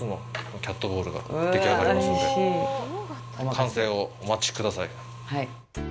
完成をお待ちください。